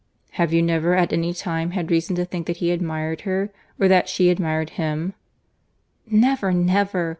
"Have you never at any time had reason to think that he admired her, or that she admired him?" "Never, never!"